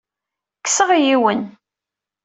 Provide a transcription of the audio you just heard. Kkseɣ yiwen.